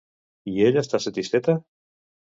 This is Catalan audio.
I ella està satisfeta?